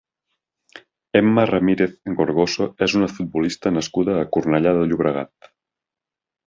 Emma Ramírez Gorgoso és una futbolista nascuda a Cornellà de Llobregat.